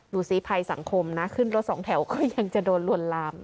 ดูสิภัยสังคมนะขึ้นรถสองแถวก็ยังจะโดนลวนลาม